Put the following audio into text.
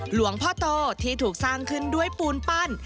หลวงพ่อโตที่ถูกสร้างขึ้นด้วยปูนปั้น